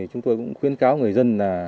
chúng tôi cũng khuyên cáo người dân